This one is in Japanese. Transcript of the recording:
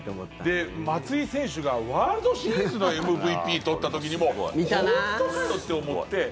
松井選手がワールドシリーズのＭＶＰ取った時にも本当なの？って思って。